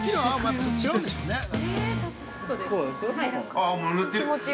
◆ああ、もうぬってる。